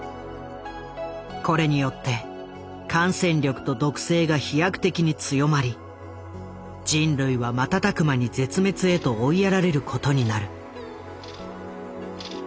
これによって感染力と毒性が飛躍的に強まり人類は瞬く間に絶滅へと追いやられることになる。